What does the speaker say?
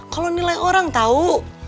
kalau nilai orang tau